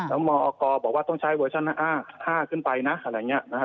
อ่าแล้วมกบอกว่าต้องใช้เวอร์ชันห้าห้าขึ้นไปน่ะอะไรอย่างเงี้ยนะฮะ